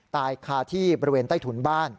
ตายคาที่บริเวณใต้ถุนบ้าน